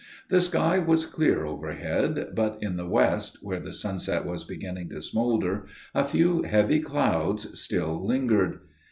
The sky was clear overhead, but in the west, where the sunset was beginning to smoulder, a few heavy clouds still lingered.